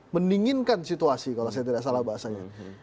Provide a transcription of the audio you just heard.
mendinginkan situasi kalau saya tidak salah bahasanya